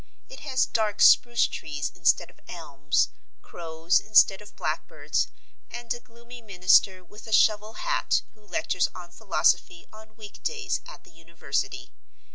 It has dark spruce trees instead of elms, crows instead of blackbirds, and a gloomy minister with a shovel hat who lectures on philosophy on week days at the university.